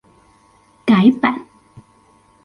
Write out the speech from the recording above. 改版